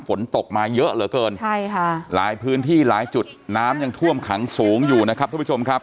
ฝนตกมาเยอะเหลือเกินใช่ค่ะหลายพื้นที่หลายจุดน้ำยังท่วมขังสูงอยู่นะครับทุกผู้ชมครับ